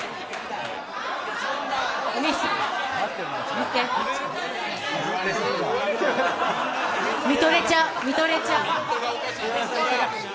見とれちゃう、見とれちゃう。